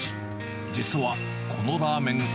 実は、このラーメン。